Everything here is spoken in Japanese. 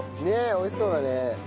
美味しそうだね。